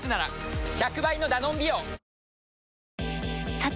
さて！